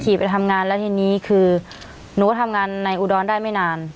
ไปทำงานแล้วทีนี้คือหนูก็ทำงานในอุดรได้ไม่นาน